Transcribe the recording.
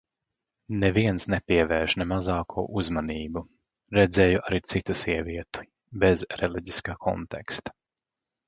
Neviens nepievērš ne mazāko uzmanību. Redzēju arī citu sievieti bez reliģiska konteksta.